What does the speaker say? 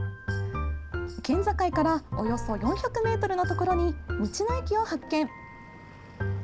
県境からおよそ４００ｍのところに道の駅を発見。